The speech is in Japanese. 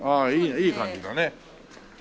いい感じだねこれ。